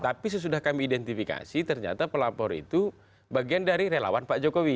tapi sesudah kami identifikasi ternyata pelapor itu bagian dari relawan pak jokowi